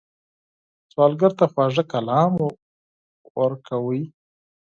سوالګر ته خواږه کلام ورکوئ